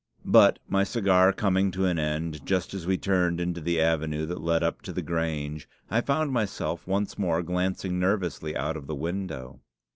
But, my cigar coming to an end just as we turned into the avenue that led up to the Grange, I found myself once more glancing nervously out of the window.